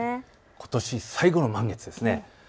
ことし最後の満月ですね。